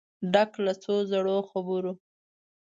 ډک له څو زړو خبرو